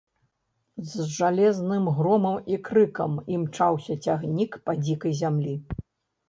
З жалезным громам і крыкам імчаўся цягнік па дзікай зямлі.